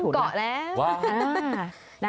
ต้องเกาะแล้ว